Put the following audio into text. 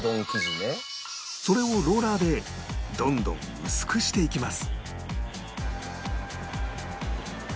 それをローラーでどんどん薄くしていきます